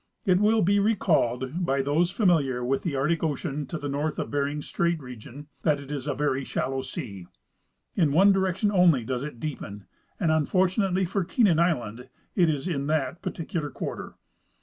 It will be recalled by those familiar with the Arctic ocea.n to tlie north of Bering strait region that it is a very shalloAV sea. In one direction only does it deepen, and, unfortunately for Keenan island, it is in that particular quarter.